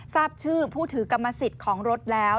ทราบชื่อผู้ถือกรรมสิทธิ์ของรถแล้ว